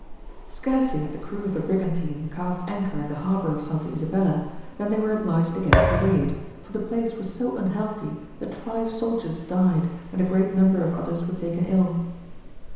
Scarcely had the crew of the brigantine cast anchor in the harbour of Santa Isabella, than they were obliged again to weigh it, for the place was so unhealthy that five soldiers died and a great number of others were taken ill.